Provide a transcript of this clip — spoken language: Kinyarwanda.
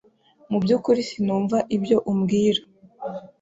Mu byukuri sinumva ibyo umbwira.